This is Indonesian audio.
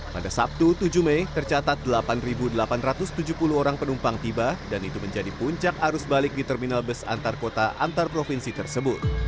pada sabtu tujuh mei tercatat delapan delapan ratus tujuh puluh orang penumpang tiba dan itu menjadi puncak arus balik di terminal bus antar kota antar provinsi tersebut